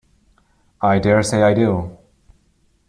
I dare say I do.